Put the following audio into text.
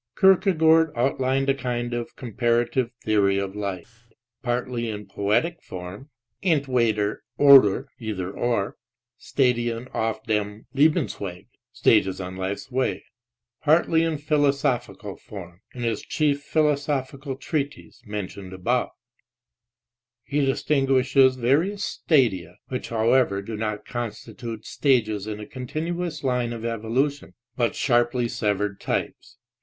Kierkegaard outlined a kind of comparative theory of life partly in poetic form (Enlwedcr Oder; Stadien auf dem Lebensweg), partly in philosophical form (in his chief philosophical treatise mentioned above). He dis tinguishes various "Stadia," which however do not con stitute stages in a continuous line of evolution, but sharply severed types.